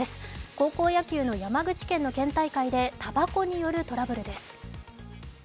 高校野球の山口県の県大会でたばこによるトラブルです。